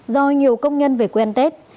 do nhiều công nhân về quen tết